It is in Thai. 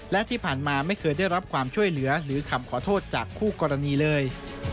และที่ผ่านมาไม่เคยได้รับความช่วยเหลือหรือคำขอโทษจากคู่กรณีเลย